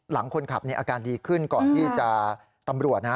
หลังคนขับเนี่ยอาการดีขึ้นก่อนที่จะตำรวจนะฮะ